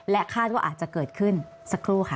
คาดว่าอาจจะเกิดขึ้นสักครู่ค่ะ